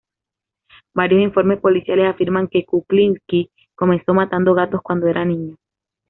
Varios informes policiales afirman que Kuklinski comenzó matando gatos cuando era niño.